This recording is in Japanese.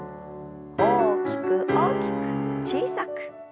大きく大きく小さく。